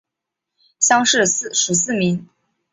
乡试十四名。